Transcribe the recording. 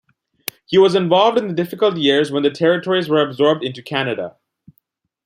He was involved in the difficult years when the Territories were absorbed into Canada.